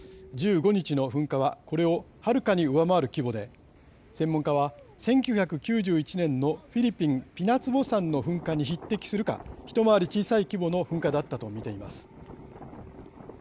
１５日の噴火はこれをはるかに上回る規模で専門家は１９９１年のフィリピン、ピナツボ山の噴火に匹敵するか、一回り小さい規模の噴火だったと見ています。